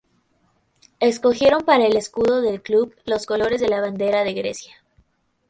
Escogieron para el escudo del club los colores de la bandera de Grecia.